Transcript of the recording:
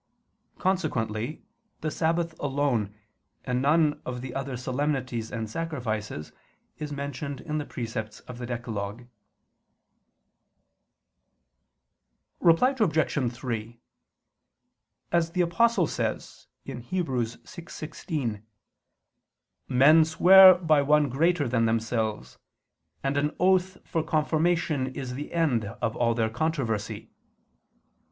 Consequently, the Sabbath alone, and none of the other solemnities and sacrifices, is mentioned in the precepts of the decalogue. Reply Obj. 3: As the Apostle says (Heb. 6:16), "men swear by one greater than themselves; and an oath for confirmation is the end of all their controversy."